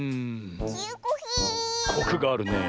コクがあるねえ。